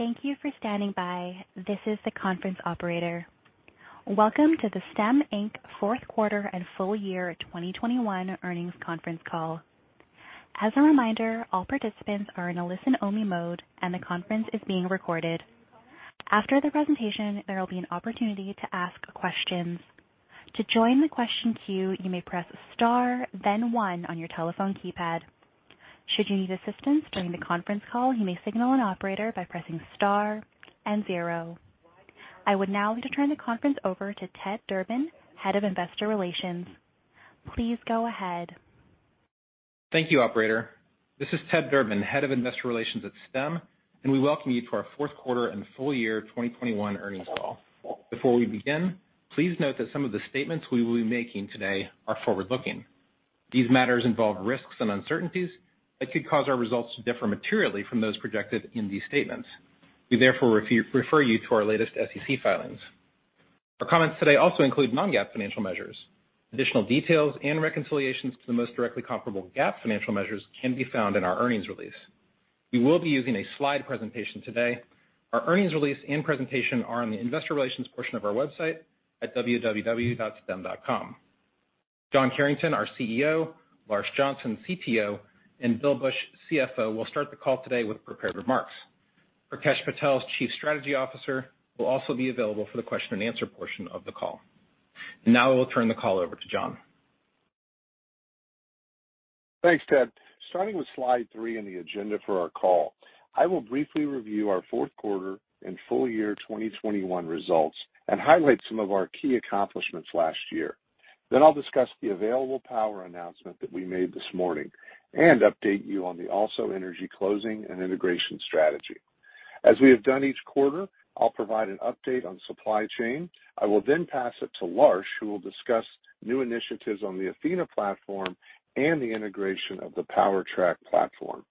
Thank you for standing by. This is the conference operator. Welcome to the Stem, Inc. fourth quarter and full year 2021 earnings conference call. As a reminder, all participants are in a listen-only mode, and the conference is being recorded. After the presentation, there will be an opportunity to ask questions. To join the question queue, you may press star then one on your telephone keypad. Should you need assistance during the conference call, you may signal an operator by pressing star and zero. I would now like to turn the conference over to Ted Durbin, Head of Investor Relations. Please go ahead. Thank you, operator. This is Ted Durbin, Head of Investor Relations at Stem, and we welcome you to our fourth quarter and full year 2021 earnings call. Before we begin, please note that some of the statements we will be making today are forward-looking. These matters involve risks and uncertainties that could cause our results to differ materially from those projected in these statements. We therefore refer you to our latest SEC filings. Our comments today also include non-GAAP financial measures. Additional details and reconciliations to the most directly comparable GAAP financial measures can be found in our earnings release. We will be using a slide presentation today. Our earnings release and presentation are on the investor relations portion of our website at www.stem.com. John Carrington, our CEO, Larsh Johnson, CTO, and Bill Bush, CFO, will start the call today with prepared remarks. Prakesh Patel, Chief Strategy Officer, will also be available for the question and answer portion of the call. Now I will turn the call over to John. Thanks, Ted. Starting with slide three in the agenda for our call, I will briefly review our fourth quarter and full year 2021 results and highlight some of our key accomplishments last year. I'll discuss the Available Power announcement that we made this morning and update you on the AlsoEnergy closing and integration strategy. As we have done each quarter, I'll provide an update on supply chain. I will then pass it to Larsh, who will discuss new initiatives on the Athena platform and the integration of the PowerTrack platform.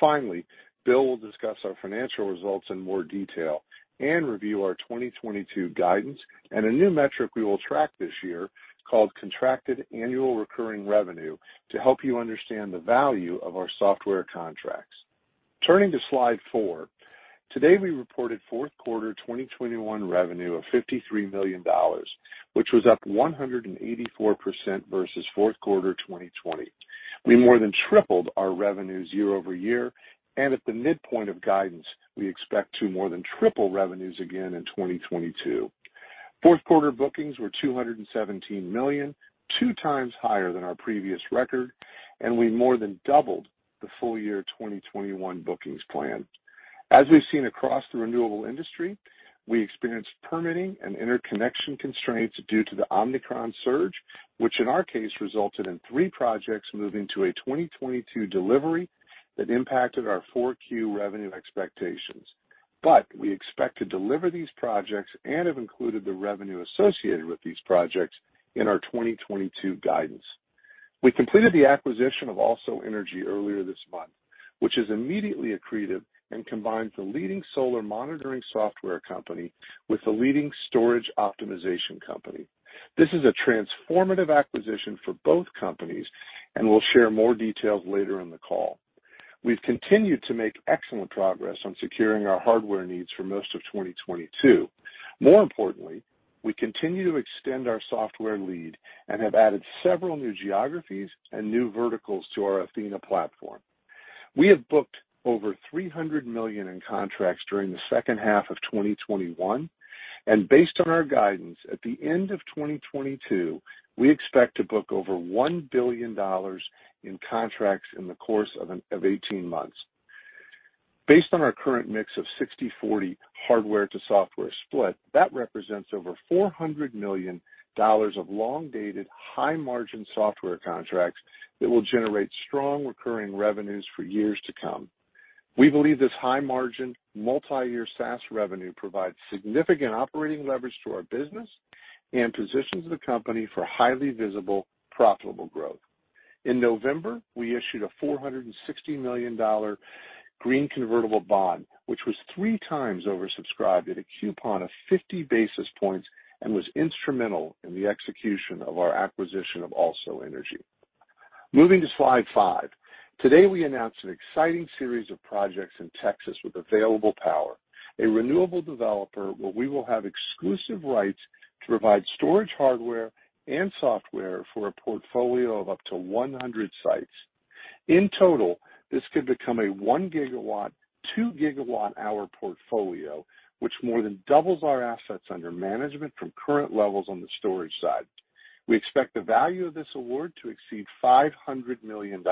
Finally, Bill will discuss our financial results in more detail and review our 2022 guidance and a new metric we will track this year called Contracted Annual Recurring Revenue to help you understand the value of our software contracts. Turning to slide four. Today, we reported fourth quarter 2021 revenue of $53 million, which was up 184% versus fourth quarter 2020. We more than tripled our revenues year-over-year, and at the midpoint of guidance, we expect to more than triple revenues again in 2022. Fourth quarter bookings were $217 million, two times higher than our previous record, and we more than doubled the full-year 2021 bookings plan. As we've seen across the renewable industry, we experienced permitting and interconnection constraints due to the Omicron surge, which in our case resulted in three projects moving to a 2022 delivery that impacted our Q4 revenue expectations. We expect to deliver these projects and have included the revenue associated with these projects in our 2022 guidance. We completed the acquisition of AlsoEnergy earlier this month, which is immediately accretive and combines the leading solar monitoring software company with the leading storage optimization company. This is a transformative acquisition for both companies, and we'll share more details later in the call. We've continued to make excellent progress on securing our hardware needs for most of 2022. More importantly, we continue to extend our software lead and have added several new geographies and new verticals to our Athena platform. We have booked over $300 million in contracts during the second half of 2021, and based on our guidance, at the end of 2022, we expect to book over $1 billion in contracts in the course of eighteen months. Based on our current mix of 60/40 hardware to software split, that represents over $400 million of long-dated, high-margin software contracts that will generate strong recurring revenues for years to come. We believe this high-margin, multi-year SaaS revenue provides significant operating leverage to our business and positions the company for highly visible, profitable growth. In November, we issued a $460 million green convertible bond, which was three times oversubscribed at a coupon of 50 basis points and was instrumental in the execution of our acquisition of AlsoEnergy. Moving to slide five. Today, we announced an exciting series of projects in Texas with Available Power, a renewable developer, where we will have exclusive rights to provide storage, hardware, and software for a portfolio of up to 100 sites. In total, this could become a one GW, two GWh portfolio, which more than doubles our assets under management from current levels on the storage side. We expect the value of this award to exceed $500 million.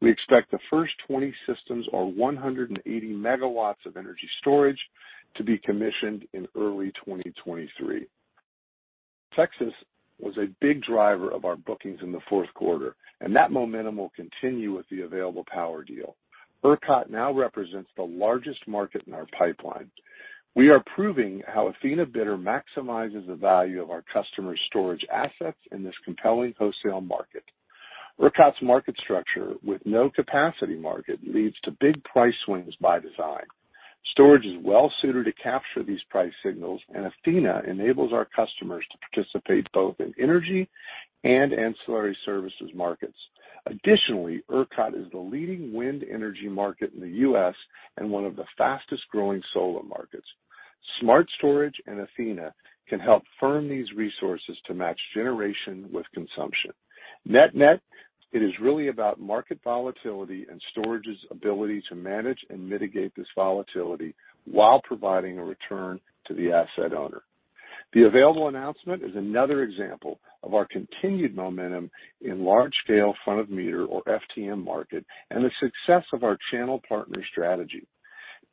We expect the first 20 systems, or 180 MW of energy storage, to be commissioned in early 2023. Texas was a big driver of our bookings in the fourth quarter, and that momentum will continue with the Available Power deal. ERCOT now represents the largest market in our pipeline. We are proving how Athena bidder maximizes the value of our customers' storage assets in this compelling wholesale market. ERCOT's market structure with no capacity market leads to big price swings by design. Storage is well suited to capture these price signals, and Athena enables our customers to participate both in energy and ancillary services markets. Additionally, ERCOT is the leading wind energy market in the U.S. and one of the fastest-growing solar markets. Smart storage and Athena can help firm these resources to match generation with consumption. Net net, it is really about market volatility and storage's ability to manage and mitigate this volatility while providing a return to the asset owner. The Available Power announcement is another example of our continued momentum in large scale front of meter or FTM market and the success of our channel partner strategy.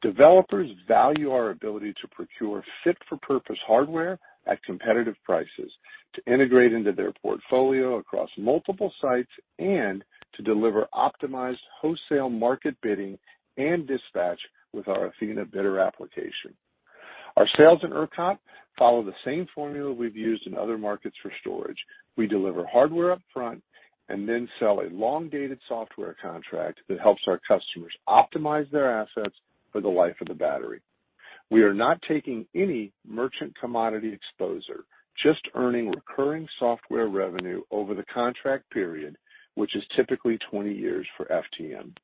Developers value our ability to procure fit for purpose hardware at competitive prices to integrate into their portfolio across multiple sites and to deliver optimized wholesale market bidding and dispatch with our Athena bidder application. Our sales in ERCOT follow the same formula we've used in other markets for storage. We deliver hardware up front and then sell a long-dated software contract that helps our customers optimize their assets for the life of the battery. We are not taking any merchant commodity exposure, just earning recurring software revenue over the contract period, which is typically 20 years for FTM.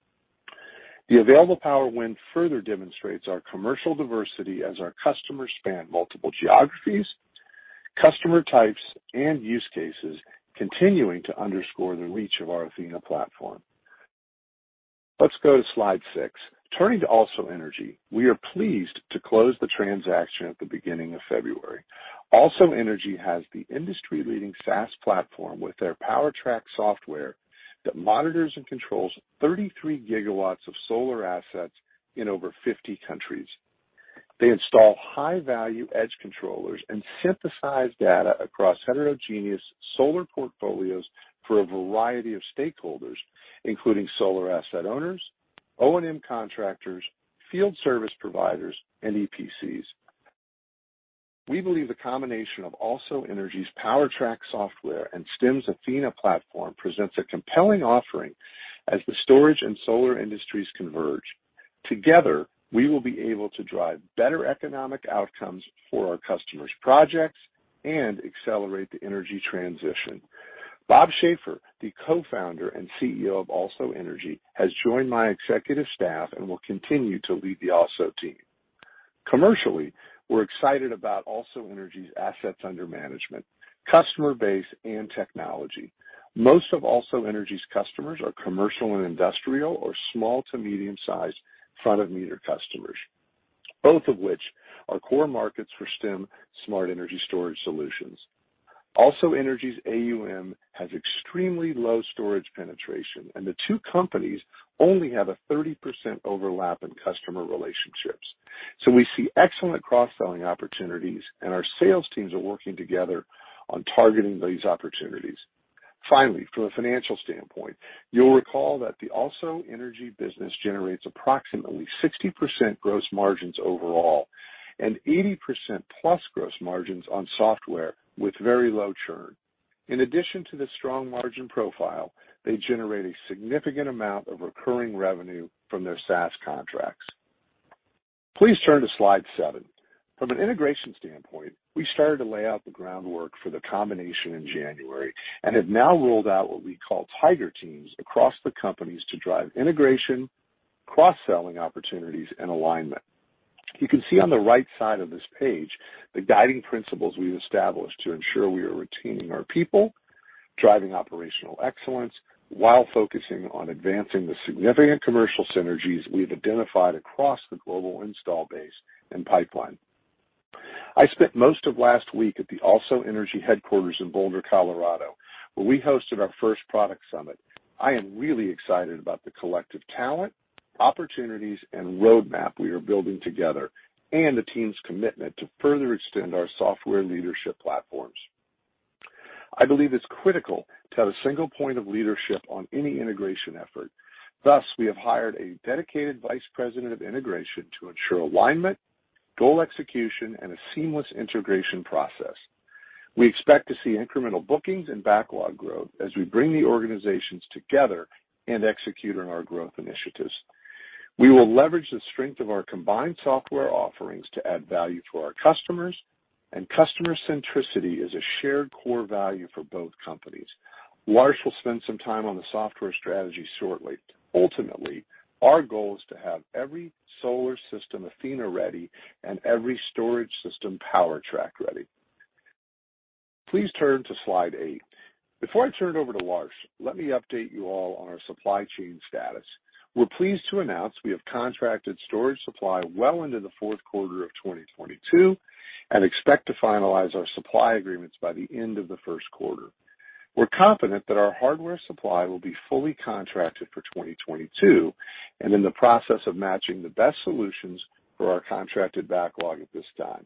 The Available Power win further demonstrates our commercial diversity as our customers span multiple geographies, customer types, and use cases continuing to underscore the reach of our Athena platform. Let's go to slide 6. Turning to AlsoEnergy. We are pleased to close the transaction at the beginning of February. AlsoEnergy has the industry-leading SaaS platform with their PowerTrack software that monitors and controls 33 gigawatts of solar assets in over 50 countries. They install high-value edge controllers and synthesize data across heterogeneous solar portfolios for a variety of stakeholders, including solar asset owners, O&M contractors, field service providers, and EPCs. We believe the combination of AlsoEnergy's PowerTrack software and Stem's Athena platform presents a compelling offering as the storage and solar industries converge. Together, we will be able to drive better economic outcomes for our customers' projects and accelerate the energy transition. Bob Schaefer, the Co-Founder and CEO of AlsoEnergy, has joined my executive staff and will continue to lead the AlsoEnergy team. Commercially, we're excited about AlsoEnergy's assets under management, customer base, and technology. Most of AlsoEnergy's customers are commercial and industrial or small to medium-sized front of meter customers, both of which are core markets for Stem smart energy storage solutions. AlsoEnergy's AUM has extremely low storage penetration, and the two companies only have a 30% overlap in customer relationships. We see excellent cross-selling opportunities, and our sales teams are working together on targeting these opportunities. Finally, from a financial standpoint, you'll recall that the AlsoEnergy business generates approximately 60% gross margins overall and 80%+ gross margins on software with very low churn. In addition to the strong margin profile, they generate a significant amount of recurring revenue from their SaaS contracts. Please turn to slide seven. From an integration standpoint, we started to lay out the groundwork for the combination in January and have now rolled out what we call tiger teams across the companies to drive integration, cross-selling opportunities, and alignment. You can see on the right side of this page the guiding principles we've established to ensure we are retaining our people, driving operational excellence while focusing on advancing the significant commercial synergies we've identified across the global install base and pipeline. I spent most of last week at the AlsoEnergy headquarters in Boulder, Colorado, where we hosted our first product summit. I am really excited about the collective talent, opportunities, and roadmap we are building together and the team's commitment to further extend our software leadership platforms. I believe it's critical to have a single point of leadership on any integration effort. Thus, we have hired a dedicated Vice President of integration to ensure alignment, goal execution, and a seamless integration process. We expect to see incremental bookings and backlog growth as we bring the organizations together and execute on our growth initiatives. We will leverage the strength of our combined software offerings to add value to our customers, and customer centricity is a shared core value for both companies. Lars will spend some time on the software strategy shortly. Ultimately, our goal is to have every solar system Athena-ready and every storage system PowerTrack-ready. Please turn to slide 8. Before I turn it over to Lars, let me update you all on our supply chain status. We're pleased to announce we have contracted storage supply well into the fourth quarter of 2022 and expect to finalize our supply agreements by the end of the first quarter. We're confident that our hardware supply will be fully contracted for 2022 and in the process of matching the best solutions for our contracted backlog at this time.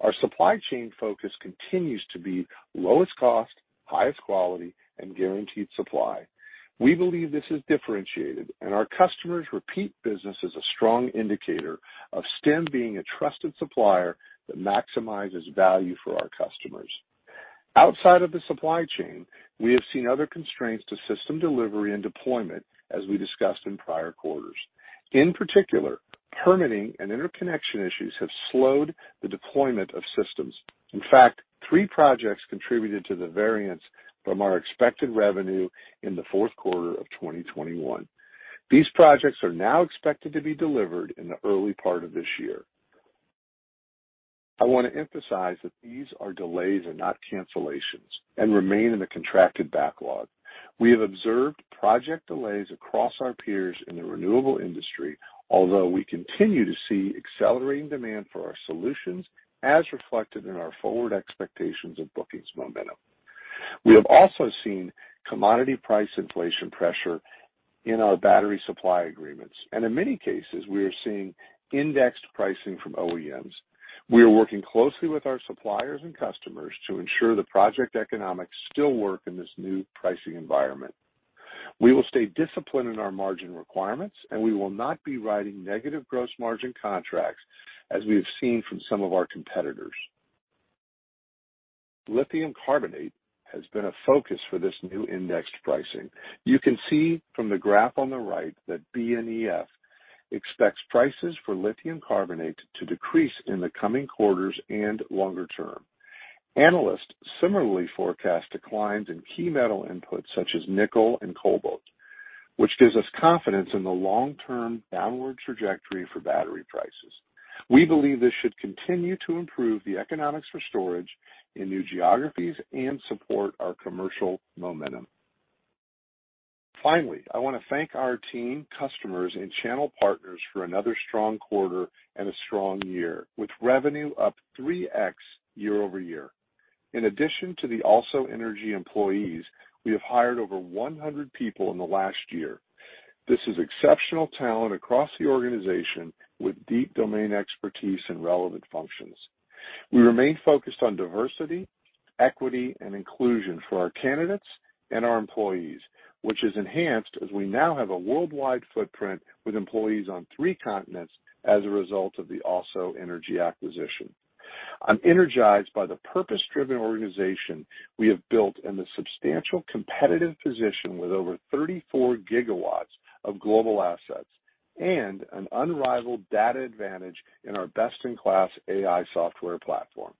Our supply chain focus continues to be lowest cost, highest quality, and guaranteed supply. We believe this is differentiated, and our customers' repeat business is a strong indicator of Stem being a trusted supplier that maximizes value for our customers. Outside of the supply chain, we have seen other constraints to system delivery and deployment, as we discussed in prior quarters. In particular, permitting and interconnection issues have slowed the deployment of systems. In fact, three projects contributed to the variance from our expected revenue in the fourth quarter of 2021. These projects are now expected to be delivered in the early part of this year. I want to emphasize that these are delays and not cancellations and remain in the contracted backlog. We have observed project delays across our peers in the renewable industry, although we continue to see accelerating demand for our solutions, as reflected in our forward expectations of bookings momentum. We have also seen commodity price inflation pressure in our battery supply agreements, and in many cases, we are seeing indexed pricing from OEMs. We are working closely with our suppliers and customers to ensure the project economics still work in this new pricing environment. We will stay disciplined in our margin requirements, and we will not be writing negative gross margin contracts, as we have seen from some of our competitors. Lithium carbonate has been a focus for this new indexed pricing. You can see from the graph on the right that BNEF expects prices for lithium carbonate to decrease in the coming quarters and longer term. Analysts similarly forecast declines in key metal inputs such as nickel and cobalt, which gives us confidence in the long-term downward trajectory for battery prices. We believe this should continue to improve the economics for storage in new geographies and support our commercial momentum. Finally, I want to thank our team, customers, and channel partners for another strong quarter and a strong year, with revenue up 3x year-over-year. In addition to the AlsoEnergy employees, we have hired over 100 people in the last year. This is exceptional talent across the organization with deep domain expertise and relevant functions. We remain focused on diversity, equity, and inclusion for our candidates and our employees, which is enhanced as we now have a worldwide footprint with employees on three continents as a result of the AlsoEnergy acquisition. I'm energized by the purpose-driven organization we have built and the substantial competitive position with over 34 gigawatts of global assets and an unrivaled data advantage in our best-in-class AI software platform.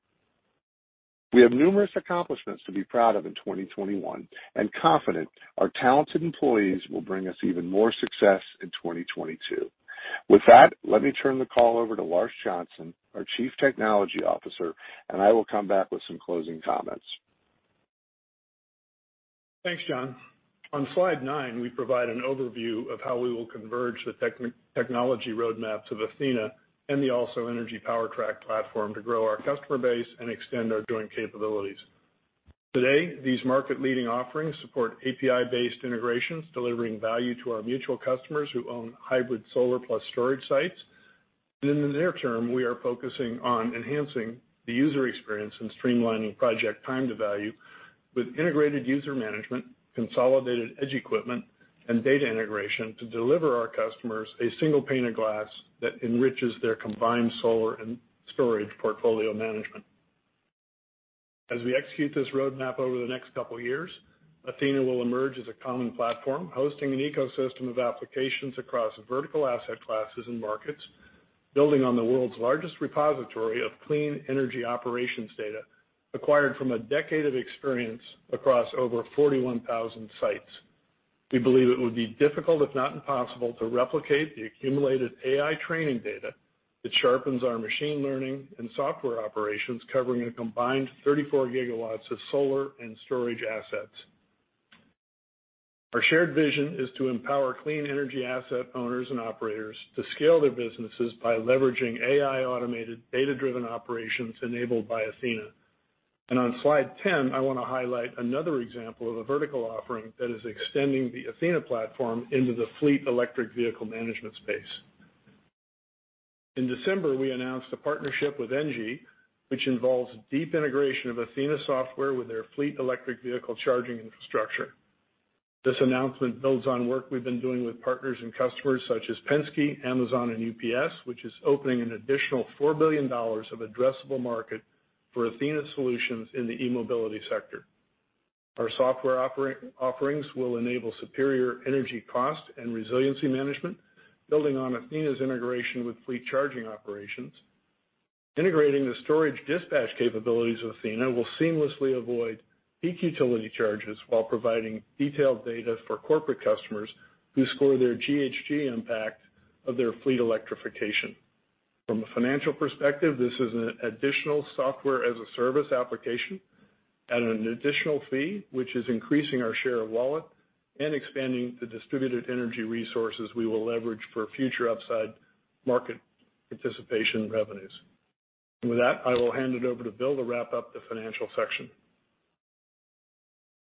We have numerous accomplishments to be proud of in 2021 and we are confident our talented employees will bring us even more success in 2022. With that, let me turn the call over to Larsh Johnson, our Chief Technology Officer, and I will come back with some closing comments. Thanks, John. On slide nine, we provide an overview of how we will converge the technology roadmaps of Athena and the AlsoEnergy PowerTrack platform to grow our customer base and extend our joint capabilities. Today, these market-leading offerings support API-based integrations, delivering value to our mutual customers who own hybrid solar plus storage sites. In the near term, we are focusing on enhancing the user experience and streamlining project time to value with integrated user management, consolidated edge equipment, and data integration to deliver our customers a single pane of glass that enriches their combined solar and storage portfolio management. As we execute this roadmap over the next couple years, Athena will emerge as a common platform, hosting an ecosystem of applications across vertical asset classes and markets, building on the world's largest repository of clean energy operations data acquired from a decade of experience across over 41,000 sites. We believe it would be difficult, if not impossible, to replicate the accumulated AI training data that sharpens our machine learning and software operations, covering a combined 34 gigawatts of solar and storage assets. Our shared vision is to empower clean energy asset owners and operators to scale their businesses by leveraging AI-automated, data-driven operations enabled by Athena. On slide 10, I want to highlight another example of a vertical offering that is extending the Athena platform into the fleet electric vehicle management space. In December, we announced a partnership with ENGIE, which involves deep integration of Athena software with their fleet electric vehicle charging infrastructure. This announcement builds on work we've been doing with partners and customers such as Penske, Amazon, and UPS, which is opening an additional $4 billion of addressable market for Athena solutions in the e-mobility sector. Our software offerings will enable superior energy cost and resiliency management, building on Athena's integration with fleet charging operations. Integrating the storage dispatch capabilities of Athena will seamlessly avoid peak utility charges while providing detailed data for corporate customers who score their GHG impact of their fleet electrification. From a financial perspective, this is an additional software-as-a-service application at an additional fee, which is increasing our share of wallet and expanding the distributed energy resources we will leverage for future upside market participation revenues. With that, I will hand it over to Bill to wrap up the financial section.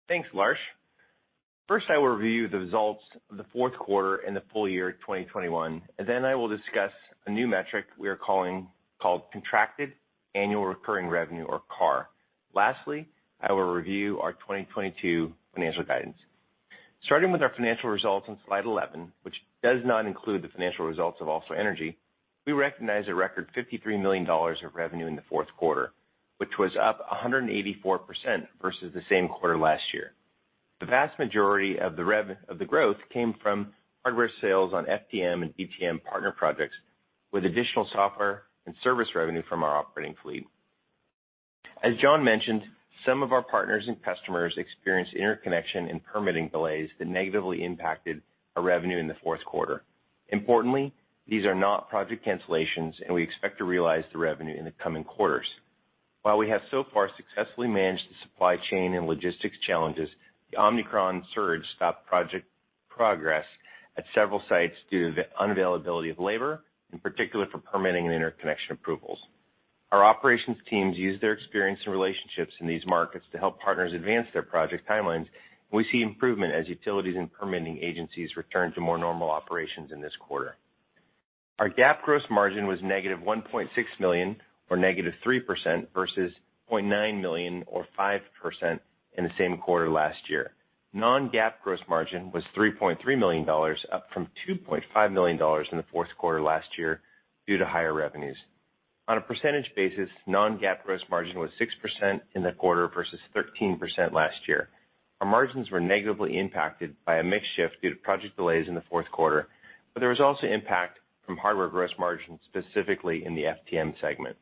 Thanks, Larsh. First, I will review the results of the fourth quarter and the full year 2021, and then I will discuss a new metric we are called Contracted Annual Recurring Revenue, or CARR. Lastly, I will review our 2022 financial guidance. Starting with our financial results on slide 11, which does not include the financial results of AlsoEnergy, we recognized a record $53 million of revenue in the fourth quarter, which was up 184% versus the same quarter last year. The vast majority of the growth came from hardware sales on FTM and BTM partner projects, with additional software and service revenue from our operating fleet. As John mentioned, some of our partners and customers experienced interconnection and permitting delays that negatively impacted our revenue in the fourth quarter. Importantly, these are not project cancellations, and we expect to realize the revenue in the coming quarters. While we have so far successfully managed the supply chain and logistics challenges, the Omicron surge stopped project progress at several sites due to the unavailability of labor, in particular for permitting and interconnection approvals. Our operations teams use their experience and relationships in these markets to help partners advance their project timelines. We see improvement as utilities and permitting agencies return to more normal operations in this quarter. Our GAAP gross margin was -$1.6 million, or -3%, versus $0.9 million or 5% in the same quarter last year. Non-GAAP gross margin was $3.3 million, up from $2.5 million in the fourth quarter last year due to higher revenues. On a percentage basis, non-GAAP gross margin was 6% in the quarter versus 13% last year. Our margins were negatively impacted by a mix shift due to project delays in the fourth quarter, but there was also impact from hardware gross margins, specifically in the FTM segment.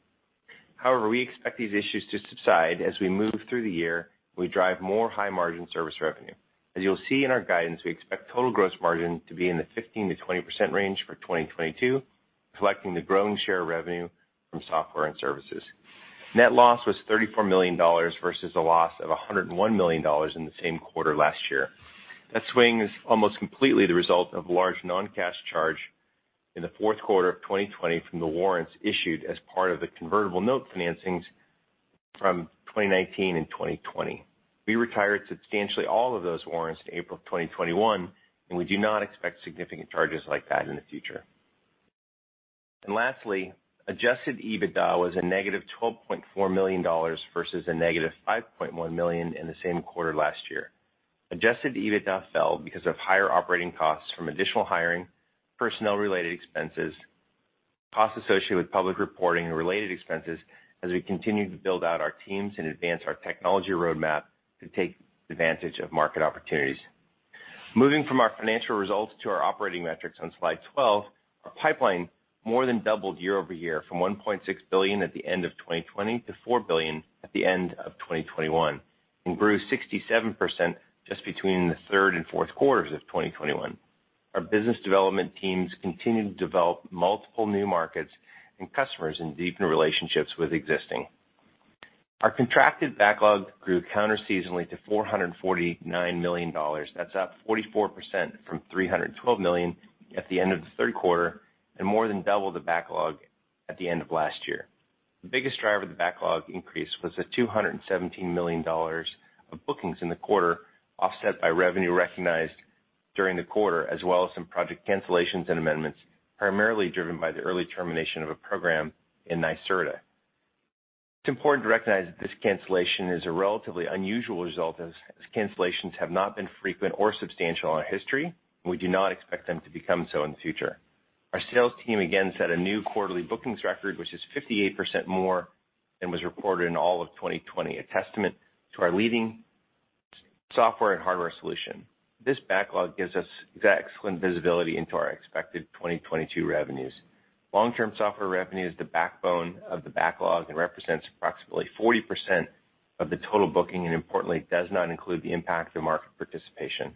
However, we expect these issues to subside as we move through the year and we drive more high-margin service revenue. As you'll see in our guidance, we expect total gross margin to be in the 15%-20% range for 2022, reflecting the growing share of revenue from software and services. Net loss was $34 million versus a loss of $101 million in the same quarter last year. That swing is almost completely the result of a large non-cash charge in the fourth quarter of 2020 from the warrants issued as part of the convertible note financings from 2019 and 2020. We retired substantially all of those warrants in April of 2021, and we do not expect significant charges like that in the future. Lastly, adjusted EBITDA was a negative $12.4 million versus a negative $5.1 million in the same quarter last year. Adjusted EBITDA fell because of higher operating costs from additional hiring, personnel-related expenses, costs associated with public reporting and related expenses as we continued to build out our teams and advance our technology roadmap to take advantage of market opportunities. Moving from our financial results to our operating metrics on slide 12, our pipeline more than doubled year-over-year from $1.6 billion at the end of 2020 to $4 billion at the end of 2021 and grew 67% just between the third and fourth quarters of 2021. Our business development teams continued to develop multiple new markets and customers and deepen relationships with existing. Our contracted backlog grew counter-seasonally to $449 million. That's up 44% from $312 million at the end of the third quarter and more than double the backlog at the end of last year. The biggest driver of the backlog increase was the $217 million of bookings in the quarter, offset by revenue recognized during the quarter, as well as some project cancellations and amendments, primarily driven by the early termination of a program in NYSERDA. It's important to recognize that this cancellation is a relatively unusual result, as cancellations have not been frequent or substantial in our history, and we do not expect them to become so in the future. Our sales team again set a new quarterly bookings record, which is 58% more than was reported in all of 2020, a testament to our leading software and hardware solution. This backlog gives us excellent visibility into our expected 2022 revenues. Long-term software revenue is the backbone of the backlog and represents approximately 40% of the total booking, and importantly, does not include the impact of market participation.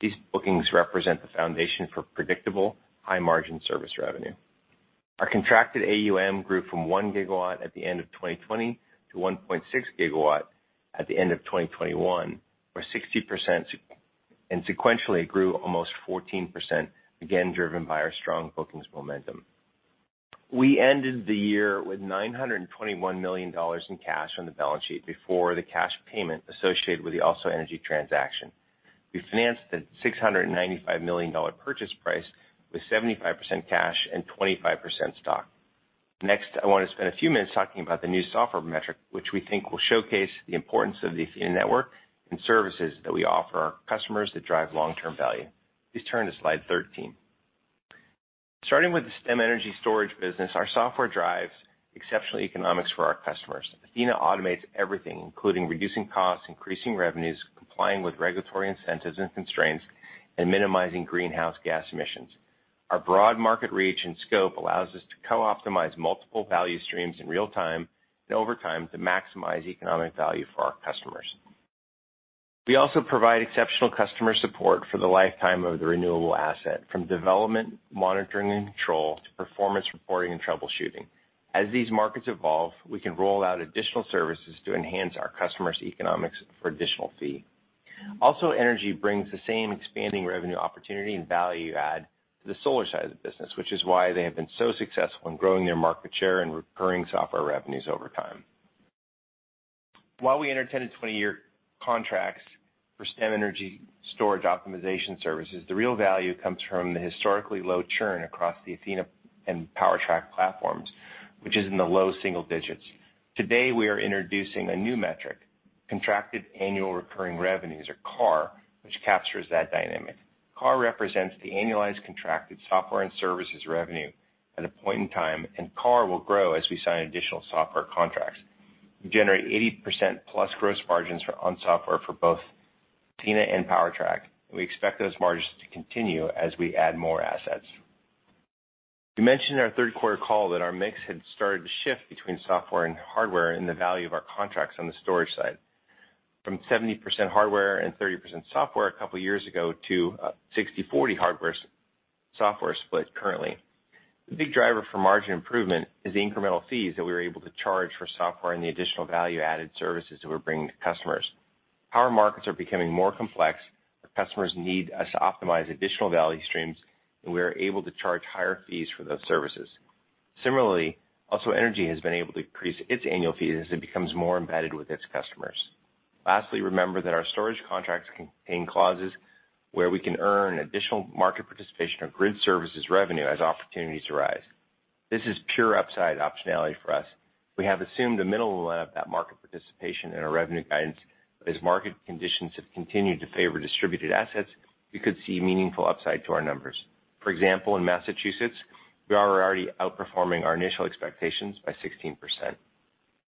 These bookings represent the foundation for predictable high-margin service revenue. Our contracted AUM grew from one GW at the end of 2020 to 1.6 GW at the end of 2021 or 60%, and sequentially it grew almost 14%, again, driven by our strong bookings momentum. We ended the year with $921 million in cash on the balance sheet before the cash payment associated with the AlsoEnergy transaction. We financed the $695 million purchase price with 75% cash and 25% stock. Next, I want to spend a few minutes talking about the new software metric, which we think will showcase the importance of the Athena network and services that we offer our customers that drive long-term value. Please turn to slide 13. Starting with the Stem energy storage business, our software drives exceptional economics for our customers. Athena automates everything, including reducing costs, increasing revenues, complying with regulatory incentives and constraints, and minimizing greenhouse gas emissions. Our broad market reach and scope allows us to co-optimize multiple value streams in real time and over time to maximize economic value for our customers. We also provide exceptional customer support for the lifetime of the renewable asset, from development, monitoring, and control to performance reporting and troubleshooting. As these markets evolve, we can roll out additional services to enhance our customers' economics for additional fee. AlsoEnergy brings the same expanding revenue opportunity and value add to the solar side of the business, which is why they have been so successful in growing their market share and recurring software revenues over time. While we enter 10- and 20-year contracts for Stem energy storage optimization services, the real value comes from the historically low churn across the Athena and PowerTrack platforms, which is in the low single digits. Today, we are introducing a new metric, contracted annual recurring revenues or CARR, which captures that dynamic. CARR represents the annualized contracted software and services revenue at a point in time, and CARR will grow as we sign additional software contracts. We generate 80%+ gross margins on software for both Athena and PowerTrack, and we expect those margins to continue as we add more assets. We mentioned in our third quarter call that our mix had started to shift between software and hardware and the value of our contracts on the storage side. From 70% hardware and 30% software a couple years ago to 60/40 hardware/software split currently. The big driver for margin improvement is the incremental fees that we were able to charge for software and the additional value-added services that we're bringing to customers. Power markets are becoming more complex. Our customers need us to optimize additional value streams, and we are able to charge higher fees for those services. Similarly, AlsoEnergy has been able to increase its annual fees as it becomes more embedded with its customers. Lastly, remember that our storage contracts contain clauses where we can earn additional market participation or grid services revenue as opportunities arise. This is pure upside optionality for us. We have assumed a middle of that market participation in our revenue guidance. As market conditions have continued to favor distributed assets, we could see meaningful upside to our numbers. For example, in Massachusetts, we are already outperforming our initial expectations by 16%.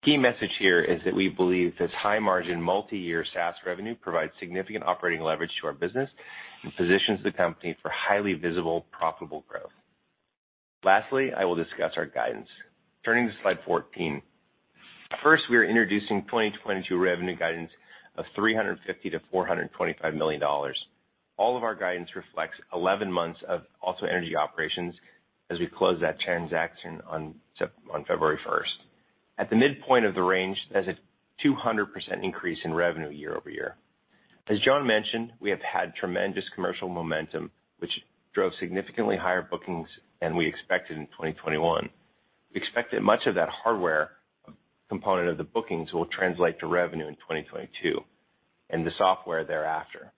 Key message here is that we believe this high-margin, multi-year SaaS revenue provides significant operating leverage to our business and positions the company for highly visible, profitable growth. Lastly, I will discuss our guidance. Turning to slide 14. First, we are introducing 2022 revenue guidance of $350 million-$425 million. All of our guidance reflects eleven months of AlsoEnergy operations as we close that transaction on February first. At the midpoint of the range, that is a 200% increase in revenue year-over-year. As John mentioned, we have had tremendous commercial momentum, which drove significantly higher bookings than we expected in 2021. We expect that much of that hardware component of the bookings will translate to revenue in 2022 and the software thereafter.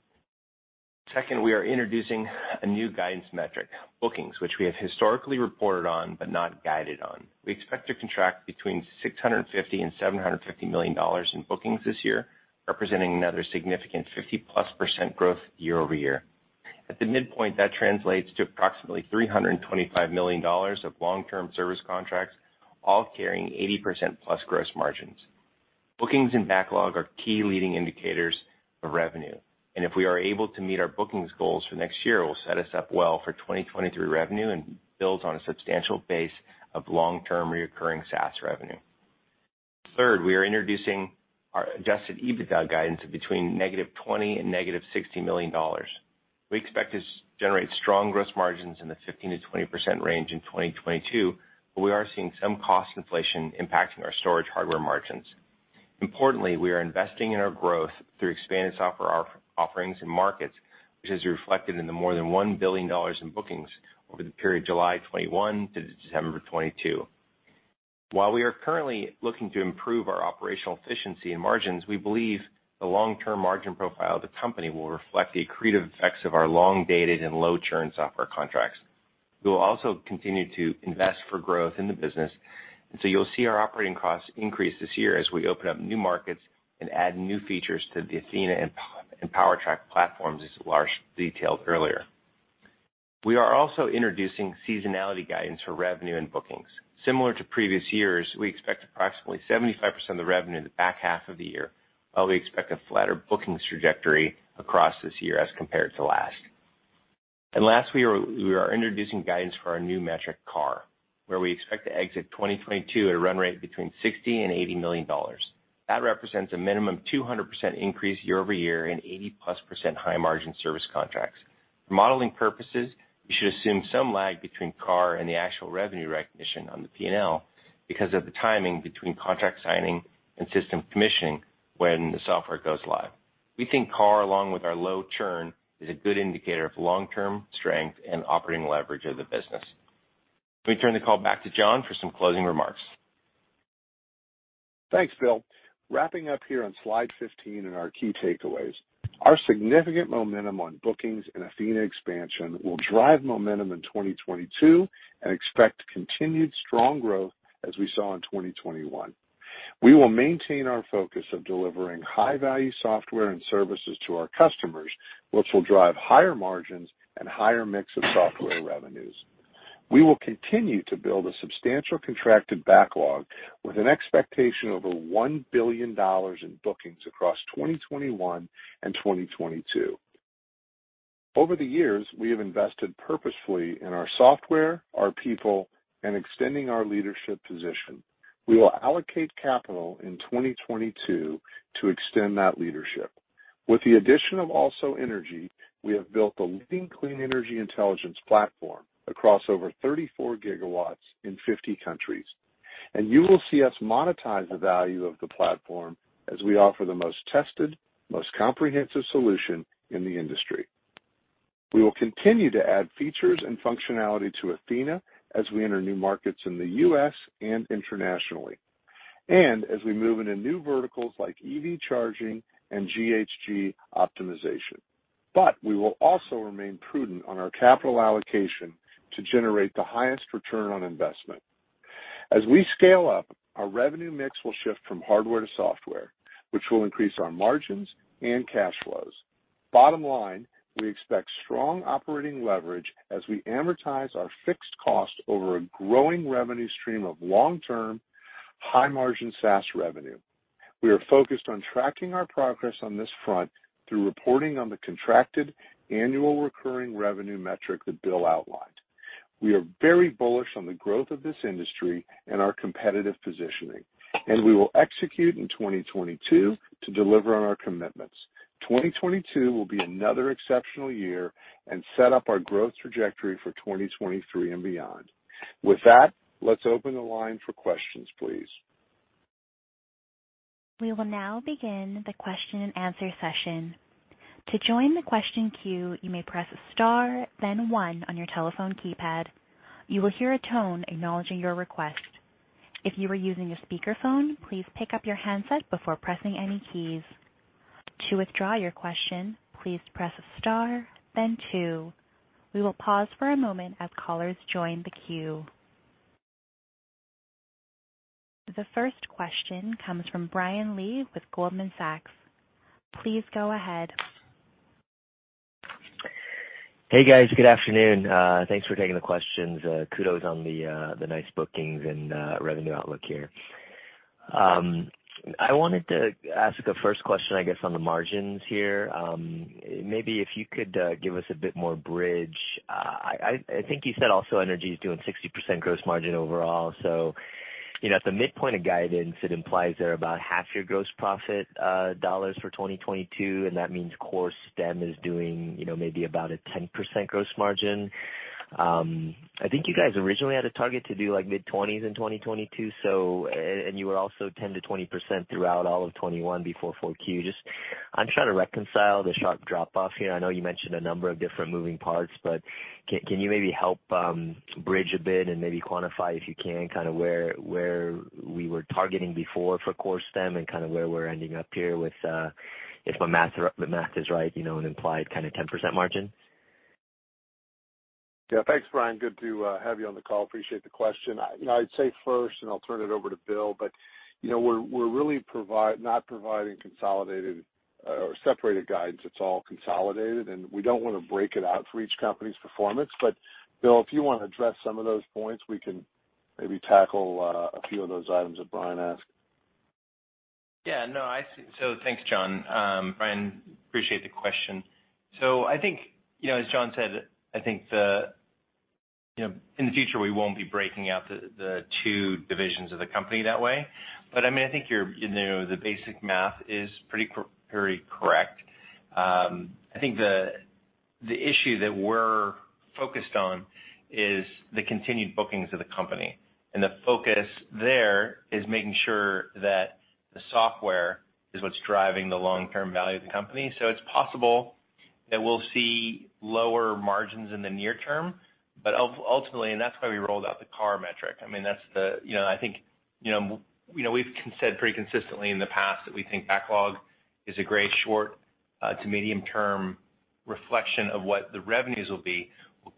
Second, we are introducing a new guidance metric, bookings, which we have historically reported on but not guided on. We expect to contract between $650 million and $750 million in bookings this year, representing another significant 50%+ growth year-over-year. At the midpoint, that translates to approximately $325 million of long-term service contracts, all carrying 80%+ gross margins. Bookings and backlog are key leading indicators of revenue, and if we are able to meet our bookings goals for next year, it will set us up well for 2023 revenue and builds on a substantial base of long-term recurring SaaS revenue. Third, we are introducing our adjusted EBITDA guidance between -$20 million and -$60 million. We expect to generate strong gross margins in the 15%-20% range in 2022, but we are seeing some cost inflation impacting our storage hardware margins. Importantly, we are investing in our growth through expanded software offerings and markets, which is reflected in the more than $1 billion in bookings over the period July 2021 to December 2022. While we are currently looking to improve our operational efficiency and margins, we believe the long-term margin profile of the company will reflect the accretive effects of our long-dated and low-churn software contracts. We will also continue to invest for growth in the business, and so you'll see our operating costs increase this year as we open up new markets and add new features to the Athena and PowerTrack platforms, as Lars detailed earlier. We are also introducing seasonality guidance for revenue and bookings. Similar to previous years, we expect approximately 75% of the revenue in the back half of the year, while we expect a flatter bookings trajectory across this year as compared to last. Last, we are introducing guidance for our new metric, CARR, where we expect to exit 2022 at a run rate between $60 million and $80 million. That represents a minimum 200% increase year-over-year and 80%+ high-margin service contracts. For modeling purposes, you should assume some lag between CARR and the actual revenue recognition on the P&L because of the timing between contract signing and system commissioning when the software goes live. We think CARR, along with our low churn, is a good indicator of long-term strength and operating leverage of the business. Let me turn the call back to John for some closing remarks. Thanks, Bill. Wrapping up here on slide 15 in our key takeaways. Our significant momentum on bookings and Athena expansion will drive momentum in 2022 and expect continued strong growth as we saw in 2021. We will maintain our focus of delivering high-value software and services to our customers, which will drive higher margins and higher mix of software revenues. We will continue to build a substantial contracted backlog with an expectation of $1 billion in bookings across 2021 and 2022. Over the years, we have invested purposefully in our software, our people, and extending our leadership position. We will allocate capital in 2022 to extend that leadership. With the addition of AlsoEnergy, we have built a leading clean energy intelligence platform across over 34 gigawatts in 50 countries. You will see us monetize the value of the platform as we offer the most tested, most comprehensive solution in the industry. We will continue to add features and functionality to Athena as we enter new markets in the U.S. and internationally, and as we move into new verticals like EV charging and GHG optimization. We will also remain prudent on our capital allocation to generate the highest return on investment. As we scale up, our revenue mix will shift from hardware to software, which will increase our margins and cash flows. Bottom line, we expect strong operating leverage as we amortize our fixed cost over a growing revenue stream of long-term, high-margin SaaS revenue. We are focused on tracking our progress on this front through reporting on the Contracted Annual Recurring Revenue metric that Bill outlined. We are very bullish on the growth of this industry and our competitive positioning, and we will execute in 2022 to deliver on our commitments. 2022 will be another exceptional year and set up our growth trajectory for 2023 and beyond. With that, let's open the line for questions, please. We will now begin the question-and-answer session. To join the question queue, you may press Star, then one on your telephone keypad. You will hear a tone acknowledging your request. If you are using a speakerphone, please pick up your handset before pressing any keys. To withdraw your question, please press Star then two. We will pause for a moment as callers join the queue. The first question comes from Brian Lee with Goldman Sachs. Please go ahead. Hey, guys. Good afternoon. Thanks for taking the questions. Kudos on the nice bookings and revenue outlook here. I wanted to ask a first question, I guess, on the margins here. Maybe if you could give us a bit more bridge. I think you said AlsoEnergy is doing 60% gross margin overall. You know, at the midpoint of guidance, it implies they're about half your gross profit dollars for 2022, and that means core Stem is doing, you know, maybe about a 10% gross margin. I think you guys originally had a target to do, like, mid-20s% in 2022, and you were also 10%-20% throughout all of 2021 before 4Q. Just, I'm trying to reconcile the sharp drop-off here. I know you mentioned a number of different moving parts, but can you maybe help bridge a bit and maybe quantify, if you can, kind of where we were targeting before for core Stem and kind of where we're ending up here with, if my math, the math is right, you know, an implied kind of 10% margin? Yeah. Thanks, Brian. Good to have you on the call. Appreciate the question. You know, I'd say first, and I'll turn it over to Bill, but you know, we're really not providing consolidated or separated guidance. It's all consolidated, and we don't wanna break it out for each company's performance. But Bill, if you wanna address some of those points, we can maybe tackle a few of those items that Brian asked. Yeah, no, I see. Thanks, John. Brian, appreciate the question. I think, you know, as John said, I think, you know, in the future, we won't be breaking out the two divisions of the company that way. I mean, I think you're, you know, the basic math is pretty correct. I think the issue that we're focused on is the continued bookings of the company, and the focus there is making sure that the software is what's driving the long-term value of the company. It's possible that we'll see lower margins in the near term, but ultimately, and that's why we rolled out the CARR metric. I mean, that's the, you know, I think, you know, we've said pretty consistently in the past that we think backlog is a great short to medium term reflection of what the revenues will be.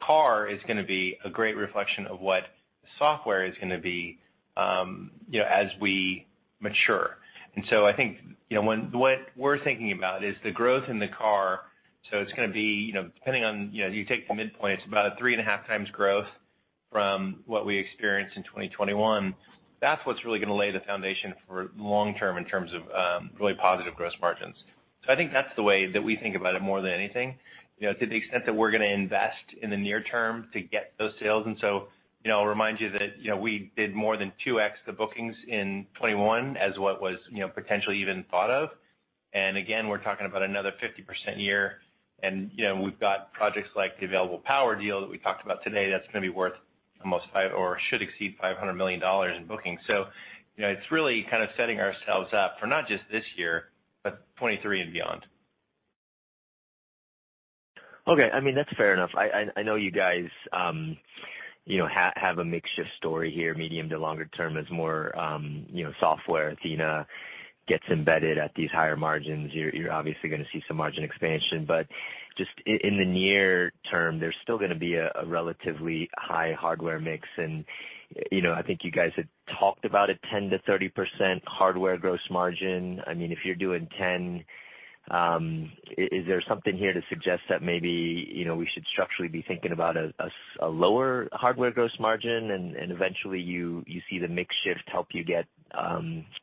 CARR is gonna be a great reflection of what software is gonna be, you know, as we mature. I think, you know, what we're thinking about is the growth in the CARR. It's gonna be, you know, depending on, you know, you take the midpoint, it's about a 3.5x growth from what we experienced in 2021. That's what's really gonna lay the foundation for long term in terms of, really positive gross margins. I think that's the way that we think about it more than anything, you know, to the extent that we're gonna invest in the near term to get those sales. You know, I'll remind you that, you know, we did more than 2x the bookings in 2021 as what was, you know, potentially even thought of. Again, we're talking about another 50% year. You know, we've got projects like the Available Power deal that we talked about today that's gonna be worth almost five or should exceed $500 million in bookings. You know, it's really kind of setting ourselves up for not just this year, but 2023 and beyond. Okay. I mean, that's fair enough. I know you guys, you know, have a mix story here, medium to longer term as more, you know, software Athena gets embedded at these higher margins. You're obviously gonna see some margin expansion, but just in the near term, there's still gonna be a relatively high hardware mix. You know, I think you guys had talked about a 10%-30% hardware gross margin. I mean, if you're doing 10%, is there something here to suggest that maybe, you know, we should structurally be thinking about a lower hardware gross margin and eventually you see the mix shift help you get,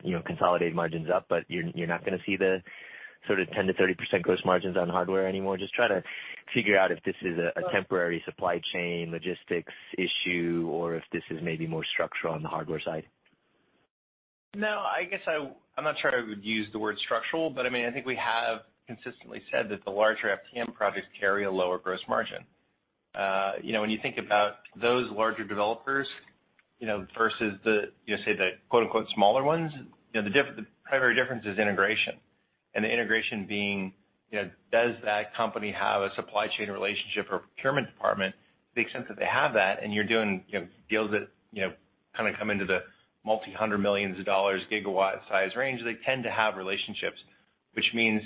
you know, consolidate margins up, but you're not gonna see the sort of 10%-30% gross margins on hardware anymore? Just trying to figure out if this is a temporary supply chain logistics issue or if this is maybe more structural on the hardware side. No, I guess I'm not sure I would use the word structural, but I mean, I think we have consistently said that the larger FTM projects carry a lower gross margin. You know, when you think about those larger developers, you know, versus the, you know, say the quote unquote smaller ones, you know, the primary difference is integration. The integration being, you know, does that company have a supply chain relationship or procurement department? To the extent that they have that, and you're doing, you know, deals that, you know, kind of come into the hundreds of millions of dollars gigawatt size range, they tend to have relationships, which means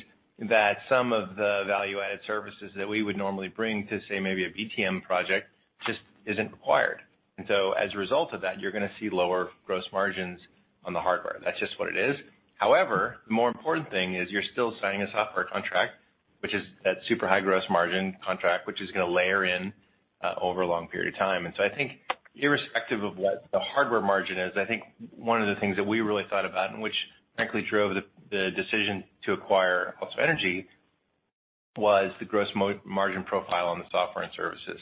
that some of the value-added services that we would normally bring to, say, maybe a BTM project just isn't required. As a result of that, you're gonna see lower gross margins on the hardware. That's just what it is. However, the more important thing is you're still signing a software contract, which is that super high gross margin contract, which is gonna layer in over a long period of time. I think irrespective of what the hardware margin is, I think one of the things that we really thought about, and which frankly drove the decision to acquire AlsoEnergy, was the gross margin profile on the software and services.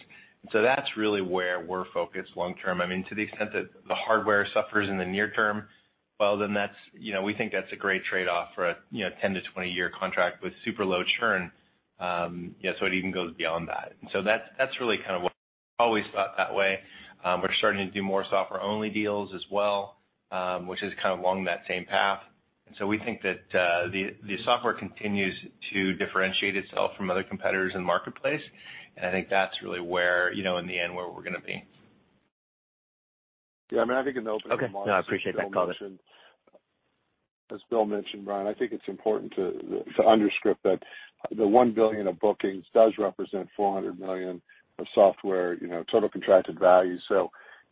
That's really where we're focused long term. I mean, to the extent that the hardware suffers in the near term, well, then that's, you know, we think that's a great trade-off for a, you know, 10- to 20-year contract with super low churn. It even goes beyond that. That's really kind of what we always thought that way. We're starting to do more software-only deals as well, which is kind of along that same path. We think that the software continues to differentiate itself from other competitors in the marketplace, and I think that's really where, you know, in the end where we're gonna be. Yeah, I mean, I think in the opening remarks, as Bill mentioned. Okay. No, I appreciate that, Brian Lee. As Bill mentioned, Brian, I think it's important to underscore that the $1 billion of bookings does represent $400 million of software, you know, total contracted value.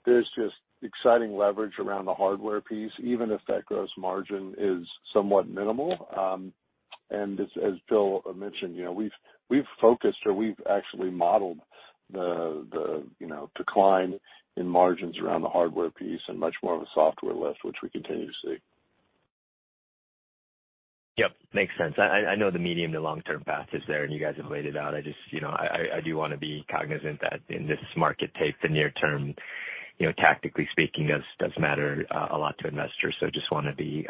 There's just exciting leverage around the hardware piece, even if that gross margin is somewhat minimal. As Bill mentioned, you know, we've focused or we've actually modeled the decline in margins around the hardware piece and much more of a software lift, which we continue to see. Yep. Makes sense. I know the medium to long term path is there and you guys have laid it out. I just, you know, I do wanna be cognizant that in this market taking the near term, you know, tactically speaking, does matter a lot to investors. Just wanna be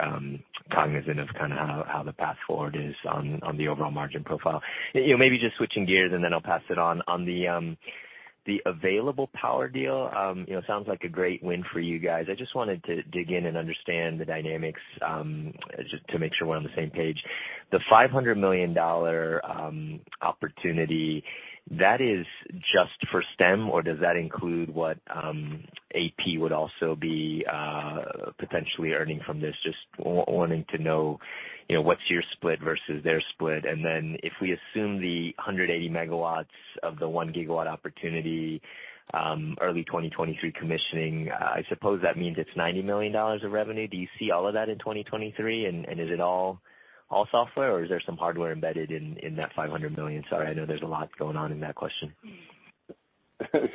cognizant of kind of how the path forward is on the overall margin profile. You know, maybe just switching gears and then I'll pass it on. On the Available Power deal, you know, sounds like a great win for you guys. I just wanted to dig in and understand the dynamics, just to make sure we're on the same page. The $500 million opportunity, that is just for Stem, or does that include what AP would also be potentially earning from this? Just wanting to know, you know, what's your split versus their split. Then if we assume the 180 MW of the one GW opportunity, early 2023 commissioning, I suppose that means it's $90 million of revenue. Do you see all of that in 2023? Is it all software or is there some hardware embedded in that $500 million? Sorry, I know there's a lot going on in that question.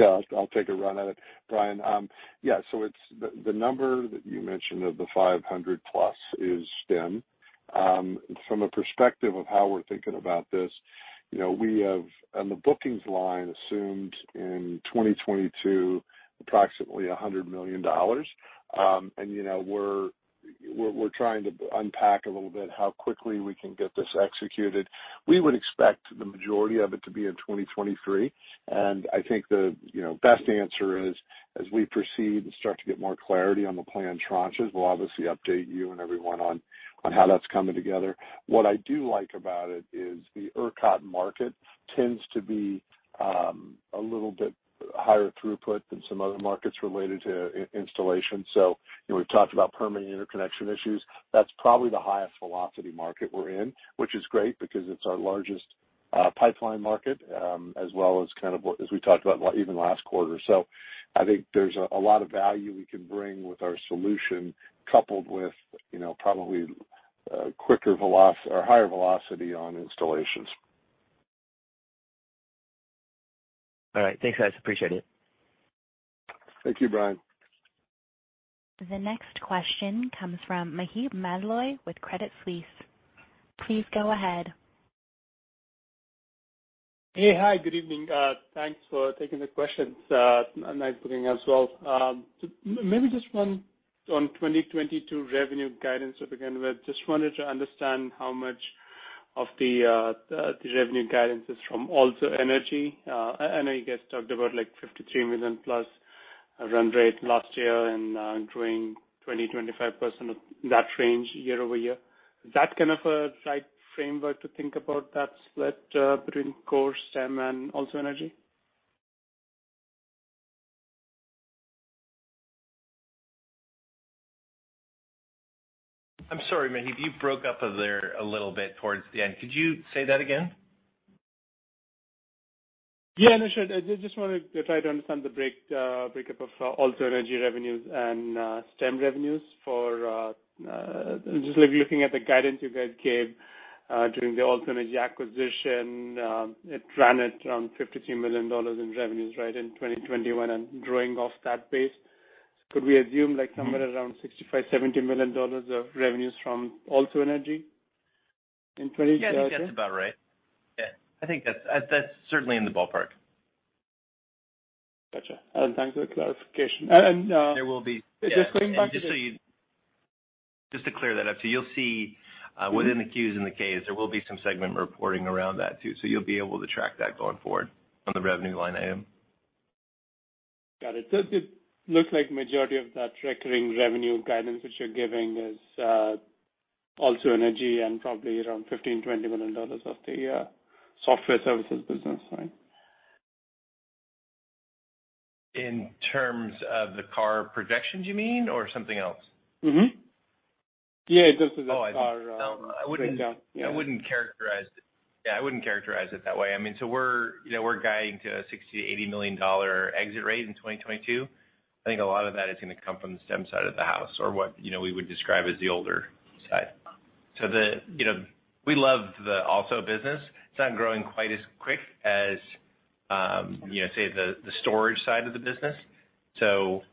Yeah, I'll take a run at it, Brian. The number that you mentioned of the 500+ is Stem. From a perspective of how we're thinking about this, you know, we have on the bookings line assumed in 2022 approximately $100 million. We're trying to unpack a little bit how quickly we can get this executed. We would expect the majority of it to be in 2023. I think the best answer is, as we proceed and start to get more clarity on the planned tranches, we'll obviously update you and everyone on how that's coming together. What I do like about it is the ERCOT market tends to be a little bit higher throughput than some other markets related to installation. You know, we've talked about permanent interconnection issues. That's probably the highest velocity market we're in, which is great because it's our largest pipeline market, as well as kind of as we talked about even last quarter. I think there's a lot of value we can bring with our solution, coupled with, you know, probably quicker or higher velocity on installations. All right. Thanks, guys. Appreciate it. Thank you, Brian. The next question comes from Maheep Mandloi with Credit Suisse. Please go ahead. Hey, hi. Good evening. Thanks for taking the questions. A nice evening as well. So maybe just one on 2022 revenue guidance to begin with. Just wanted to understand how much of the revenue guidance is from AlsoEnergy. I know you guys talked about, like, $53 million-plus run rate last year and growing 20-25% of that range year-over-year. Is that kind of a right framework to think about that split between core Stem and AlsoEnergy? I'm sorry, Maheep, you broke up there a little bit towards the end. Could you say that again? Yeah, sure. I just wanted to try to understand the breakup of AlsoEnergy revenues and Stem revenues for just like looking at the guidance you guys gave during the AlsoEnergy acquisition. It ran at around $53 million in revenues, right, in 2021. Growing off that base, could we assume, like, somewhere around $65-$70 million of revenues from AlsoEnergy in 2023? Yeah, I think that's about right. Yeah, I think that's certainly in the ballpark. Gotcha. Thanks for the clarification. There will be Just going back to the- Just to clear that up. You'll see, Mm-hmm. Within the Qs and the Ks, there will be some segment reporting around that too. You'll be able to track that going forward on the revenue line item. Got it. It looks like majority of that recurring revenue guidance which you're giving is AlsoEnergy and probably around $15 million-$20 million of the software services business, right? In terms of the CARR projections, you mean, or something else? Mm-hmm. Yeah. Oh, I don't... I wouldn't- Breakdown. Yeah. I wouldn't characterize it that way. I mean, we're, you know, guiding to a $60 million-$80 million exit rate in 2022. I think a lot of that is gonna come from the Stem side of the house or what, you know, we would describe as the core side. You know, we love the Also business. It's not growing quite as quick as, you know, say, the storage side of the business. Still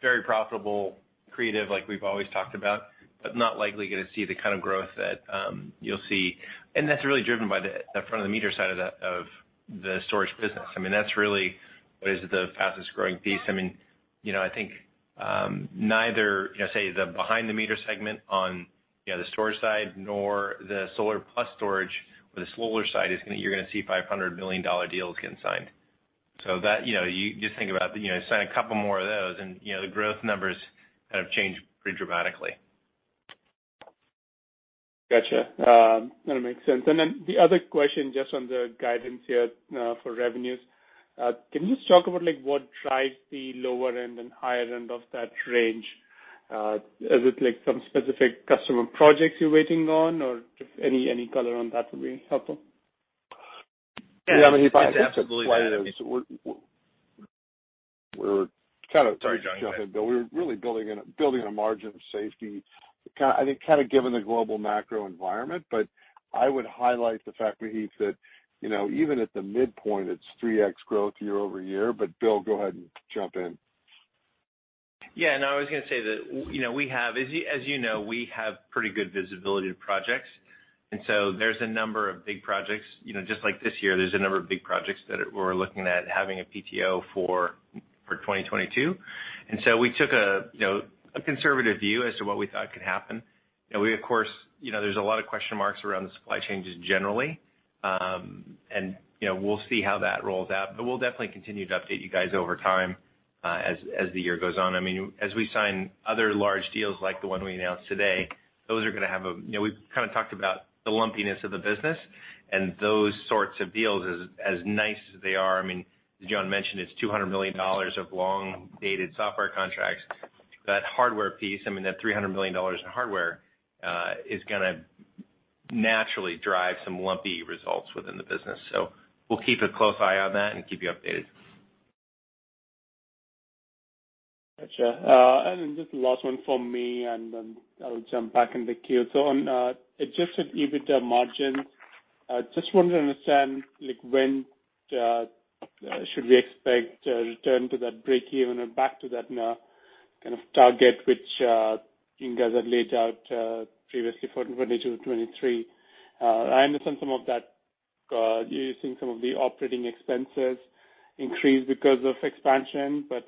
very profitable, attractive like we've always talked about, but not likely gonna see the kind of growth that you'll see. That's really driven by the front-of-the-meter side of the storage business. I mean, that's really what is the fastest growing piece. I mean, you know, I think neither, you know, say, the behind-the-meter segment on, you know, the storage side nor the solar plus storage or the solar side is gonna see $500 million deals getting signed. That, you know, you just think about, you know, sign a couple more of those and, you know, the growth numbers kind of change pretty dramatically. Gotcha. That makes sense. The other question just on the guidance here, for revenues. Can you just talk about like what drives the lower end and higher end of that range? Is it like some specific customer projects you're waiting on or just any color on that would be helpful. Yeah, I mean, if I Yeah, I mean, if I have to say is we're kind of- Sorry, John. Yeah. We're really building a margin of safety. I think kind of given the global macro environment. I would highlight the fact, Maheep Mandloi, that, you know, even at the midpoint, it's 3x growth year-over-year. Bill, go ahead and jump in. Yeah. No, I was gonna say that, you know, as you know, we have pretty good visibility to projects, and so there are a number of big projects. You know, just like this year, there are a number of big projects that we're looking at having a PTO for 2022. We took a, you know, a conservative view as to what we thought could happen. You know, we of course, you know, there are a lot of question marks around the supply chains generally. And, you know, we'll see how that rolls out. We'll definitely continue to update you guys over time, as the year goes on. I mean, as we sign other large deals like the one we announced today, those are gonna have a You know, we've kind of talked about the lumpiness of the business and those sorts of deals as nice as they are, I mean, as John mentioned, it's $200 million of long-dated software contracts. That hardware piece, I mean that $300 million in hardware, is gonna naturally drive some lumpy results within the business. We'll keep a close eye on that and keep you updated. Gotcha. Then just last one from me, and then I'll jump back in the queue. On adjusted EBITDA margins, I just want to understand like when should we expect a return to that breakeven or back to that kind of target which you guys had laid out previously for 2023. I understand some of that using some of the operating expenses increased because of expansion, but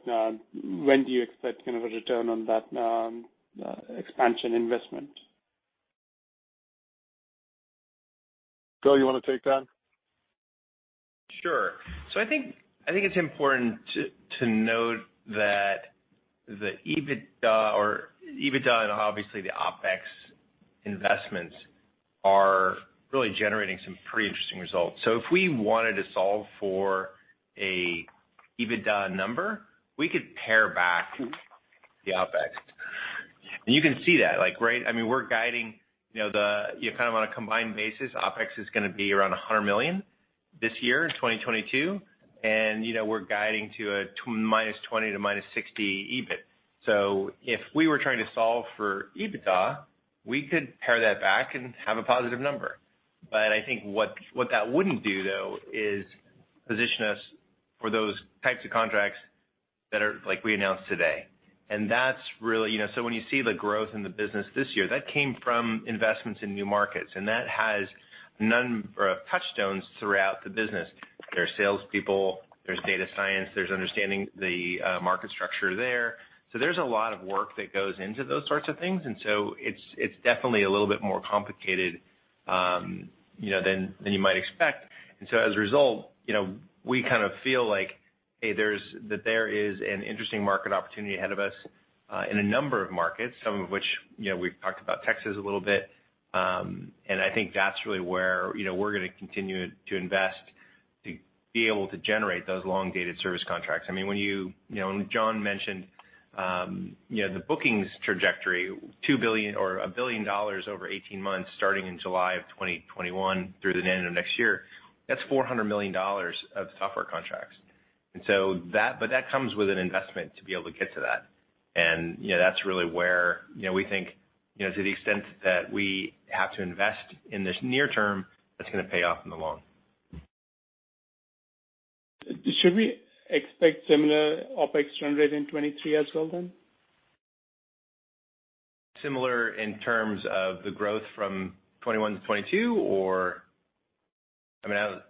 when do you expect kind of a return on that expansion investment? Bill, you wanna take that? Sure. I think it's important to note that the EBITDA and obviously the OpEx investments are really generating some pretty interesting results. If we wanted to solve for an EBITDA number, we could pare back the OpEx. You can see that, like, right? I mean, we're guiding, you know. Kind of on a combined basis, OpEx is gonna be around $100 million this year in 2022. We're guiding to -$20 to -$60 EBIT. If we were trying to solve for EBITDA, we could pare that back and have a positive number. I think what that wouldn't do though is position us for those types of contracts that are like we announced today. That's really. You know, when you see the growth in the business this year, that came from investments in new markets, and that has non-core touchstones throughout the business. There's sales people, there's data science, there's understanding the market structure there. There's a lot of work that goes into those sorts of things, and so it's definitely a little bit more complicated, you know, than you might expect. As a result, you know, we kind of feel like, hey, there is an interesting market opportunity ahead of us in a number of markets, some of which, you know, we've talked about Texas a little bit. I think that's really where, you know, we're gonna continue to invest to be able to generate those long-dated service contracts. I mean, when you... You know, when John mentioned, you know, the bookings trajectory, $2 billion or $1 billion over 18 months starting in July of 2021 through the end of next year, that's $400 million of software contracts. But that comes with an investment to be able to get to that. You know, that's really where, you know, we think, you know, to the extent that we have to invest in this near term, that's gonna pay off in the long. Should we expect similar OpEx trend rate in 2023 as well then? Similar in terms of the growth from 2021 to 2022, or? I mean, I was-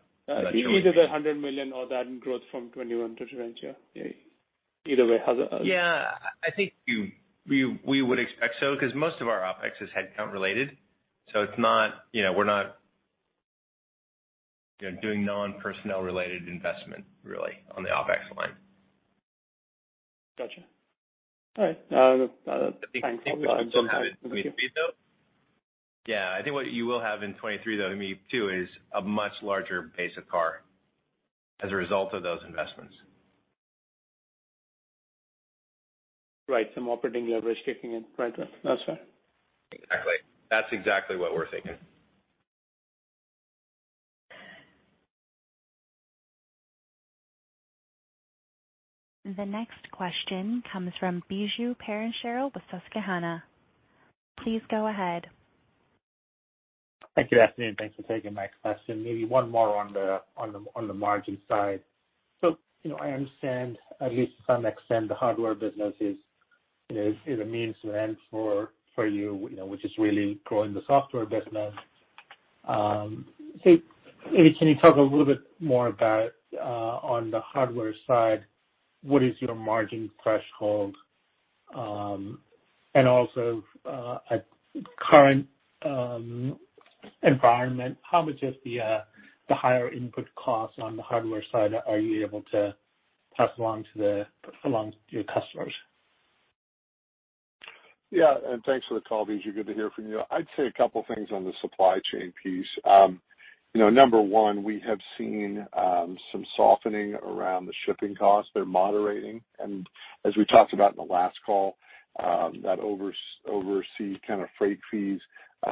Either the $100 million or the growth from 2021 to 2022. Yeah. Either way. How's Yeah. I think we would expect so, 'cause most of our OpEx is headcount related. You know, we're not, you know, doing non-personnel related investment really on the OpEx side. Gotcha. All right. That's. Thanks. Yeah, I think what you will have in 2023, though, I mean, too, is a much larger base of CARR as a result of those investments. Right. Some operating leverage kicking in. Right. That's right. Exactly. That's exactly what we're thinking. The next question comes from Biju Perincheril with Susquehanna. Please go ahead. Thank you. Good afternoon, and thanks for taking my question. Maybe one more on the margin side. You know, I understand at least to some extent, the hardware business is, you know, a means to end for you, which is really growing the software business. Maybe can you talk a little bit more about on the hardware side, what is your margin threshold? And also, at current environment, how much of the higher input costs on the hardware side are you able to pass along to your customers? Yeah, thanks for the call, Biju. Good to hear from you. I'd say a couple things on the supply chain piece. You know, number one, we have seen some softening around the shipping costs. They're moderating. As we talked about in the last call, that overseas kinda freight fees,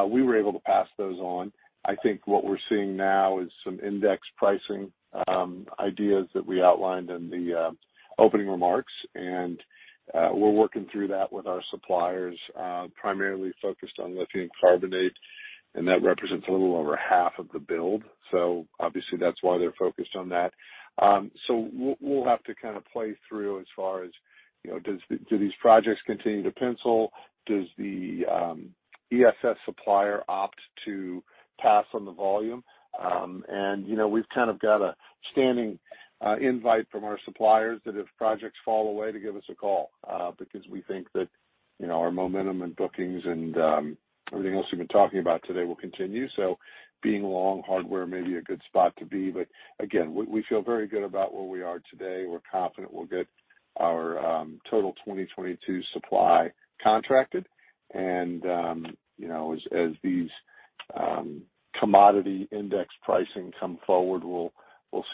we were able to pass those on. I think what we're seeing now is some indexed pricing ideas that we outlined in the opening remarks. We're working through that with our suppliers, primarily focused on lithium carbonate, and that represents a little over half of the build. Obviously that's why they're focused on that. We'll have to kinda play through as far as, you know, do these projects continue to pencil? Does the ESS supplier opt to pass on the volume? You know, we've kind of got a standing invite from our suppliers that if projects fall away to give us a call, because we think that, you know, our momentum and bookings and everything else we've been talking about today will continue. Being long hardware may be a good spot to be, but again, we feel very good about where we are today. We're confident we'll get our total 2022 supply contracted. You know, as these commodity index pricing come forward, we'll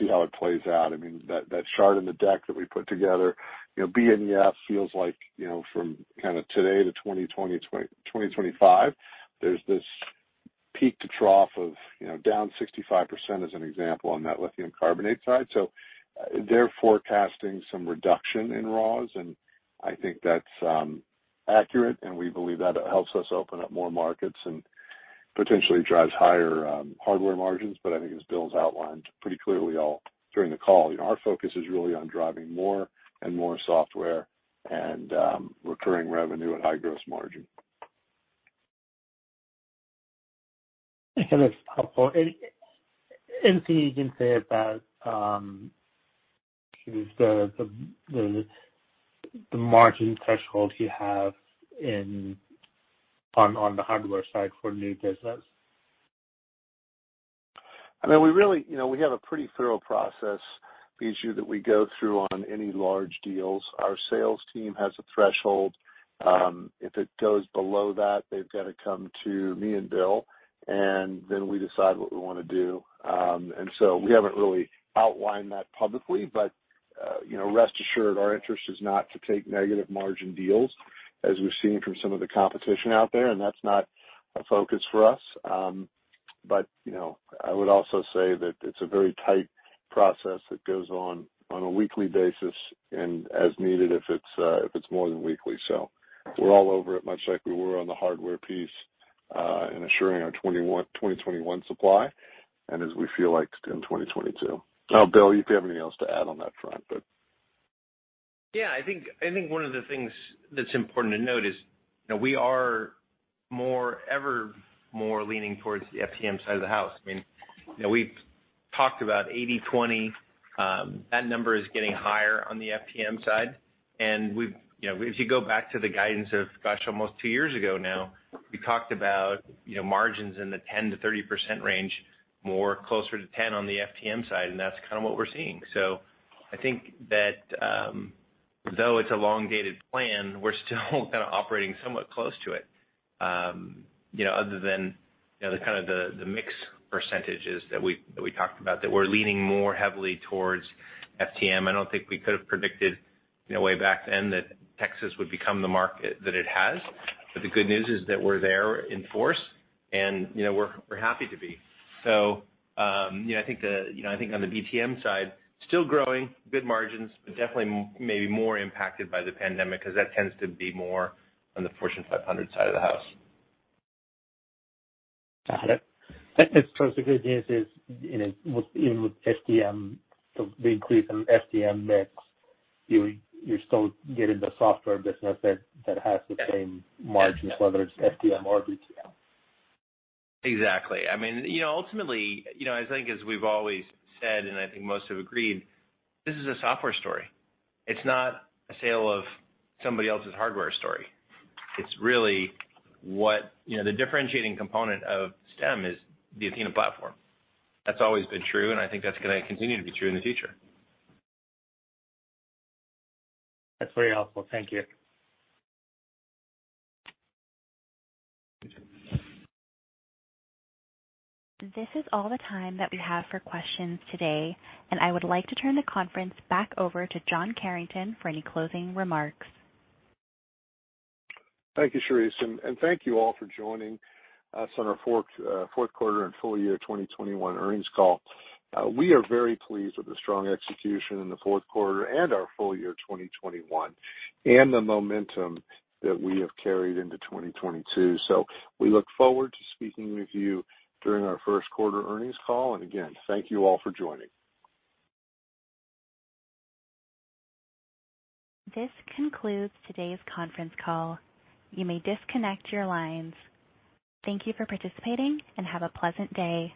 see how it plays out. I mean, that chart in the deck that we put together, you know, BNEF feels like, you know, from kinda today to 2025, there's this peak to trough of, you know, down 65% as an example on that lithium carbonate side. They're forecasting some reduction in raws, and I think that's accurate, and we believe that helps us open up more markets and potentially drives higher hardware margins. I think as Bill's outlined pretty clearly all during the call, you know, our focus is really on driving more and more software and recurring revenue at high gross margin. Okay. That's helpful. Anything you can say about the margin threshold you have on the hardware side for new business? I mean, you know, we have a pretty thorough process, Biju, that we go through on any large deals. Our sales team has a threshold. If it goes below that, they've gotta come to me and Bill, and then we decide what we wanna do. We haven't really outlined that publicly, but, you know, rest assured our interest is not to take negative margin deals as we've seen from some of the competition out there, and that's not a focus for us. You know, I would also say that it's a very tight process that goes on a weekly basis and as needed if it's more than weekly. We're all over it, much like we were on the hardware piece, in assuring our 2021 supply and as we feel like in 2022. Bill, if you have anything else to add on that front, but. Yeah. I think one of the things that's important to note is, you know, we are ever more leaning towards the FTM side of the house. I mean, you know, we've talked about 80/20. That number is getting higher on the FTM side. You know, if you go back to the guidance of, gosh, almost two years ago now, we talked about, you know, margins in the 10%-30% range, closer to 10% on the FTM side, and that's kinda what we're seeing. I think that, though it's an elongated plan, we're still kinda operating somewhat close to it. You know, other than the kind of the mix percentages that we talked about, that we're leaning more heavily towards FTM. I don't think we could have predicted, you know, way back then that Texas would become the market that it has. The good news is that we're there in force and, you know, we're happy to be. You know, I think on the BTM side, still growing, good margins, but definitely maybe more impacted by the pandemic 'cause that tends to be more on the Fortune 500 side of the house. Got it. I guess probably the good news is, you know, with even with FTM, the increase in FTM mix, you're still getting the software business that has the same margins, whether it's FTM or BTM. Exactly. I mean, you know, ultimately, you know, I think as we've always said, and I think most have agreed, this is a software story. It's not a sale of somebody else's hardware story. It's really what you know, the differentiating component of Stem is the Athena platform. That's always been true, and I think that's gonna continue to be true in the future. That's very helpful. Thank you. This is all the time that we have for questions today. I would like to turn the conference back over to John Carrington for any closing remarks. Thank you, Charisse. Thank you all for joining us on our fourth quarter and full year 2021 earnings call. We are very pleased with the strong execution in the fourth quarter and our full year 2021, and the momentum that we have carried into 2022. We look forward to speaking with you during our first quarter earnings call. Again, thank you all for joining. This concludes today's conference call. You may disconnect your lines. Thank you for participating, and have a pleasant day.